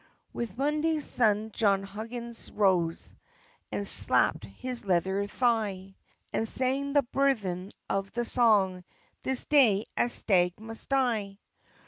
With Monday's sun John Huggins rose, And slapt his leather thigh, And sang the burthen of the song, "This day a stag must die."